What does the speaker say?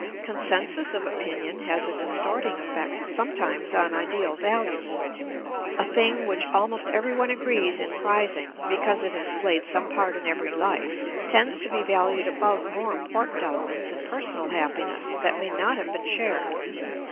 Consensus of opinion has a distorting effect, sometimes, on ideal values. A thing which almost everyone agrees in prizing, because it has played some part in every life, tends to be valued above more important elements in personal happiness that may not have been shared.